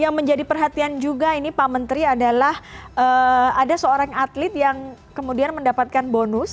yang menjadi perhatian juga ini pak menteri adalah ada seorang atlet yang kemudian mendapatkan bonus